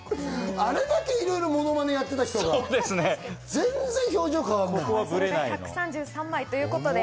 あれだけいろいろものまねをやっていた人が、全然表情が変わらない。